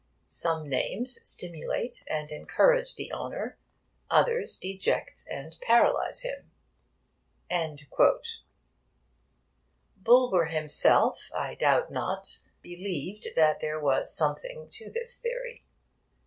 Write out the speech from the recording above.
Some names stimulate and encourage the owner, others deject and paralyse him.' Bulwer himself, I doubt not, believed that there was something in this theory.